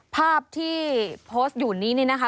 ภาพที่โพสต์อยู่นี้นี่นะคะ